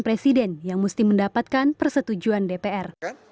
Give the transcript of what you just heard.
presiden yang mesti mendapatkan persetujuan dpr